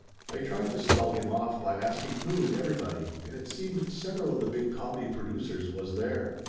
I tried to stall him off by asking who was everybody, and it seems several of the big comedy producers was there.